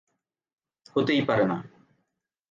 হতেই পারে না!